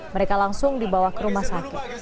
mereka langsung dibawa ke rumah sakit